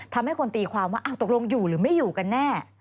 ทำให้คนตีความว่าตกลงอยู่หรือไม่อยู่กันแน่